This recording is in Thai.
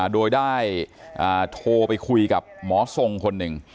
โดยได้โทรไปคุยกับหมอทรงคนหนึ่ง